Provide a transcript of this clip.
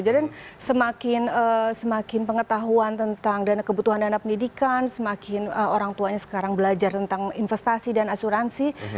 jadi semakin pengetahuan tentang kebutuhan dana pendidikan semakin orang tuanya sekarang belajar tentang investasi dan asuransi